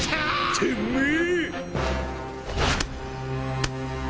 てめえ！